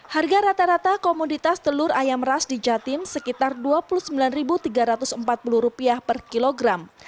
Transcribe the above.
harga rata rata komoditas telur ayam ras di jatim sekitar rp dua puluh sembilan tiga ratus empat puluh per kilogram